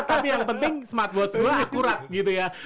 tapi yang penting smartboard gue akurat gitu ya